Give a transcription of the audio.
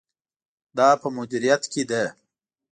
دا په مدیریت کې ده.